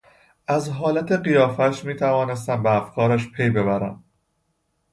از حالت قیافهاش میتوانستم به افکارش پی ببرم.